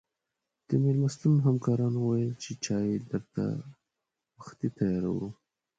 د مېلمستون همکارانو ویل چې چای درته وختي تیاروو.